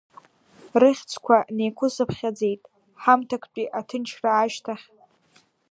Рыхьӡқәа неиқәысыԥхьаӡеит, ҳамҭактәи аҭынчра ашьҭахь.